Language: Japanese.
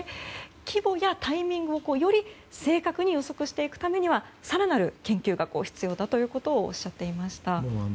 規模やタイミングをより正確に予測していくためには更なる研究が必要だとおっしゃっていました。